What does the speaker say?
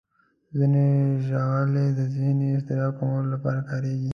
ځینې ژاولې د ذهني اضطراب کمولو لپاره کارېږي.